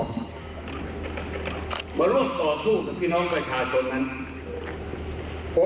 มาร่วมต่อสู้กับพี่น้องประชาชนนั้น